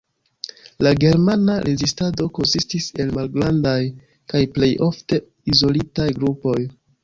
La Germana rezistado konsistis el malgrandaj kaj plej ofte izolitaj grupoj.